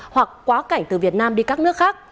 hoặc quá cảnh từ việt nam đi các nước khác